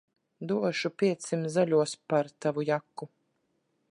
Došu piecsimt zaļos par tavu jaku.